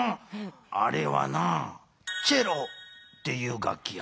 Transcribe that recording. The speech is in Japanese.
あれはなチェロっていう楽器や。